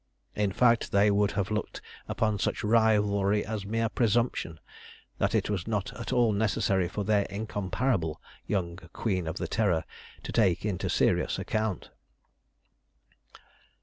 In fact they would have looked upon such rivalry as mere presumption that it was not at all necessary for their incomparable young Queen of the Terror to take into serious account.